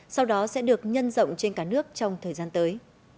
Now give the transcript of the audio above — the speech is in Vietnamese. sau đó sẽ được nhân rộng trên cả nước trong thời gian tới